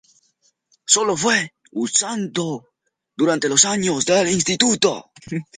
Sólo fue usado durante los años de instituto.